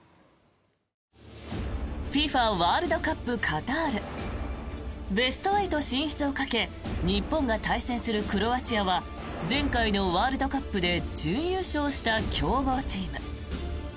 ＦＩＦＡワールドカップカタールベスト８進出をかけ日本が対戦するクロアチアは前回のワールドカップで準優勝した強豪チーム。